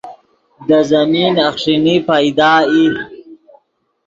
دے زمین اخݰینی پیدا ای